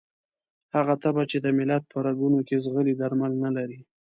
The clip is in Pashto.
هغه تبه چې د ملت په رګونو کې ځغلي درمل نه لري.